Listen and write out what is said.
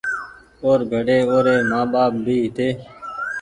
اور ڀيڙي اوري مآن ٻآپ بي هيتي